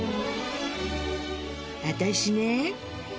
私ね